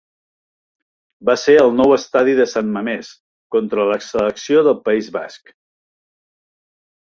Va ser al nou estadi de San Mamés contra la selecció del País Basc.